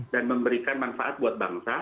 dan memberikan manfaat buat bangsa